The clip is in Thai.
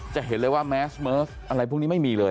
จะเห็นเลยว่าแมสเมิร์สอะไรพวกนี้ไม่มีเลย